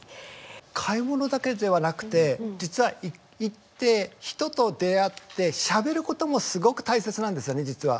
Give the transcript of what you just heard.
買い物だけではなくて実は行って人と出会ってしゃべることもすごく大切なんですよね実は。